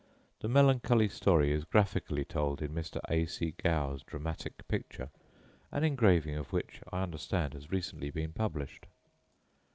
The melancholy story is graphically told in Mr. A. C. Gow's dramatic picture, an engraving of which I understand has recently been published.